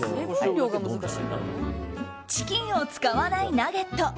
チキンを使わないナゲット。